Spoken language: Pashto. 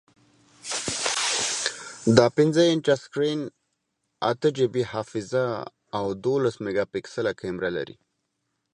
دا پنځه انچه سکرین، اته جی بی حافظه، او دولس میګاپکسله کیمره لري.